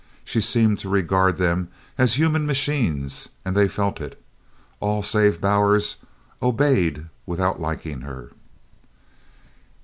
She seemed to regard them as human machines and they felt it. All save Bowers obeyed without liking her.